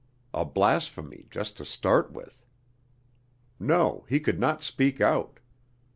a blasphemy just to start with. No, he could not speak out.